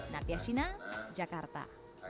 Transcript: nadia shina jakarta